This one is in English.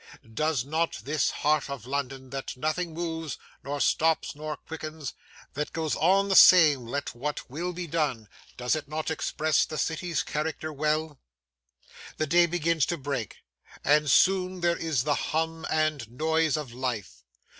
Does not this Heart of London, that nothing moves, nor stops, nor quickens,—that goes on the same let what will be done, does it not express the City's character well? The day begins to break, and soon there is the hum and noise of life.